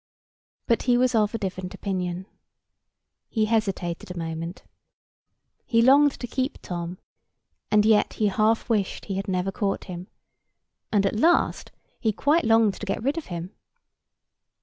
But he was of a different opinion. He hesitated a moment. He longed to keep Tom, and yet he half wished he never had caught him; and at last he quite longed to get rid of him.